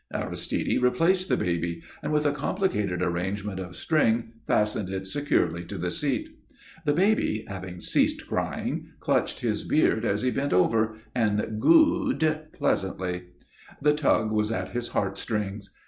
Aristide replaced the baby, and with a complicated arrangement of string fastened it securely to the seat. The baby, having ceased crying, clutched his beard as he bent over, and "goo'd" pleasantly. The tug was at his heart strings.